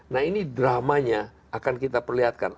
nah ini dramanya akan kita perlihatkan